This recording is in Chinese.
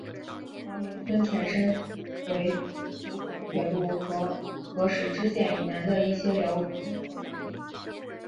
华明邨前身为九广铁路和合石支线以南的一些寮屋和农地。